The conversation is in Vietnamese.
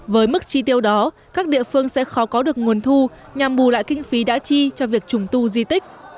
với mức chi tiêu đó các địa phương sẽ khó có được nguồn thu nhằm bù lại kinh phí đã chi cho việc trùng tu di tích